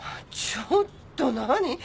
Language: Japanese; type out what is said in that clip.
ちょっと何？